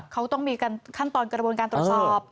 เค้าต้องมีขั้นต่อการรบรการตรวจสอบ